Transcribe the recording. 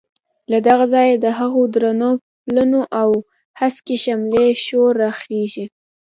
له دغه ځایه د هغو درنو پلونو او هسکې شملې شور راخېژي.